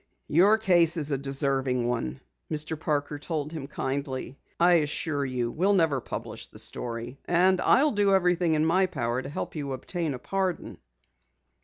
"Your case is a deserving one," Mr. Parker told him kindly. "I assure you we'll never publish the story, and I'll do everything in my power to help you obtain a pardon."